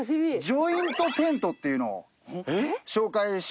ジョイントテントっていうのを紹介します。